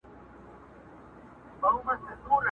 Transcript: چي سزا یې په قسمت وه رسېدلې!.